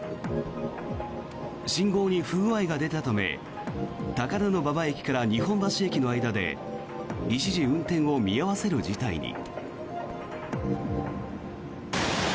信号に不具合が出たため高田馬場駅から日本橋駅の間で一時、運転を見合わせる事態に。